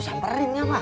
lu samperin ya pak